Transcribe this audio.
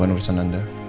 bukan urusan anda